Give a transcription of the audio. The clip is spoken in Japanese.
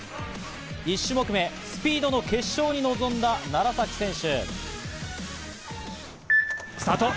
１種目め、スピードの決勝に臨んだ楢崎選手。